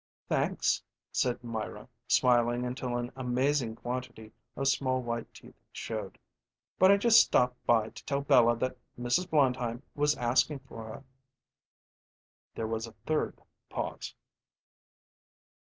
"Thanks," said Myra, smiling until an amazing quantity of small white teeth showed; "but I just stopped by to tell Bella that Mrs. Blondheim was askin' for her." There was a third pause.